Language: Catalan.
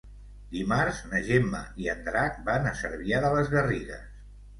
Dimarts na Gemma i en Drac van a Cervià de les Garrigues.